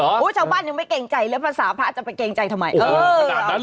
โอ๊ยชาวบ้านยังไม่เกรงใจแล้วภาษาภาคจะไปเกรงใจทำไม